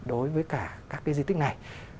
đối với cả các cái di tích này